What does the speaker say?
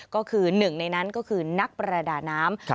ก็คือหนึ่งในนั้นก็คือนักประดาน้ำ